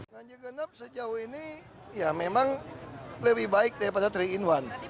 ganjil genap sejauh ini ya memang lebih baik daripada tiga in satu